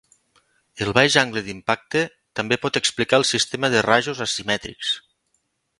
El baix angle d'impacte també pot explicar el sistema de rajos asimètrics.